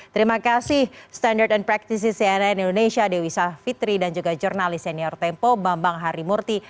terima kasih standard and practices cnn indonesia dewi savitri dan juga jurnalis senior tempo bambang harimurti